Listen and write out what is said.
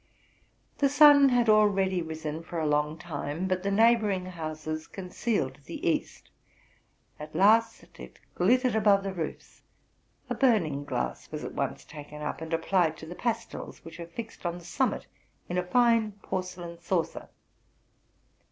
The sun had already risen for a long time, but the neighbor ing houses concealed the east. At last it glittered above the roofs: a burning glass was at once taken up and applied to the pastils, which were fixed on the summit in a fine porcelain saucer.